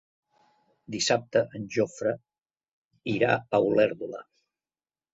Dissabte en Jofre irà a Olèrdola.